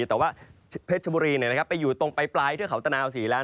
แต่ว่าเพชรบุรีไปอยู่ตรงไปปลายเทือกเขาตะนาวศรีแล้ว